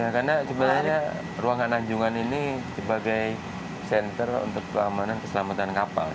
karena sebenarnya ruangan anjungan ini sebagai center untuk keamanan keselamatan kapal